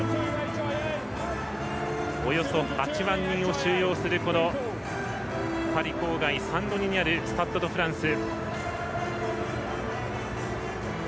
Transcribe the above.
およそ８万人を収容するパリ郊外サンドニにあるスタッド・ド・フランス。